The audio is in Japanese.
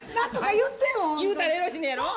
言うたらよろしいのやろ。